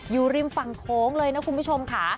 อยู่ริมฝั่งโค้งเลยนะคุณผู้ชมค่ะ